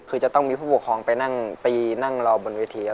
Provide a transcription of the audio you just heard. คือจะต้องมีผู้ปกครองไปนั่งตีนั่งรอบนเวที